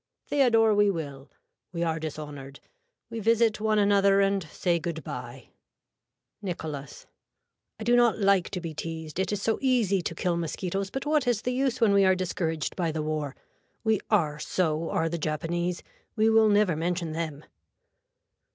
Theodore we will. We are dishonored. We visit one another and say good bye. (Nicholas.) I do not like to be teased. It is so easy to kill mosquitoes but what is the use when we are discouraged by the war. We are so are the Japanese. We will never mention them.